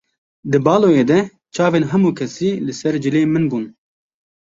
Di baloyê de çavên hemû kesî li ser cilê min bûn.